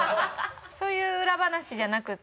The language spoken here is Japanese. そういう裏話じゃなくて。